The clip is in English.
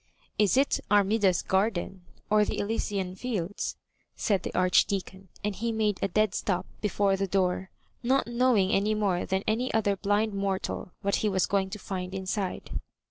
»* Is it Armi da*s garden, or the Elysian fields?" said the Archdeacon; and he made a dead stop before the door, not knowing any more than any other blind mortal what he was going to find in side.